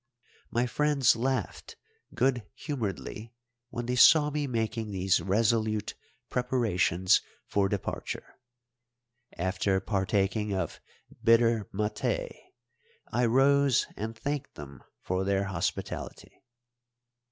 My friends laughed good humouredly when they saw me making these resolute preparations for departure. After partaking of bitter maté, I rose and thanked them for their hospitality.